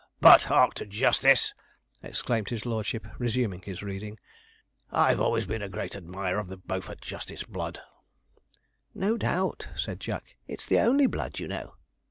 'But hark to Justice!' exclaimed his lordship, resuming his reading. '"I've always been a great admirer of the Beaufort Justice blood "' 'No doubt,' said Jack; 'it's the only blood you know.'